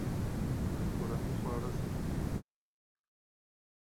کورني خواړه صحي وي.